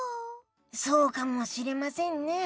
そうかもしれませんね。